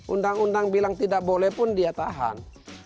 undang undang bilang tidak boleh pun dia tahan